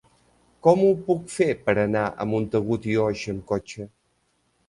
Com ho puc fer per anar a Montagut i Oix amb cotxe?